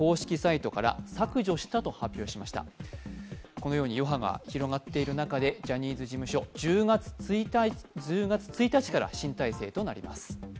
このように余波が広がっている中でジャニーズ事務所、１０月１日から新体制となります。